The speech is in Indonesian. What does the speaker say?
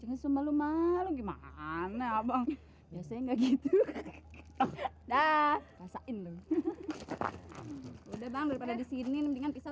cengis sumba lu malu gimana abang biasanya gitu udah udah bang dari sini mendingan pisau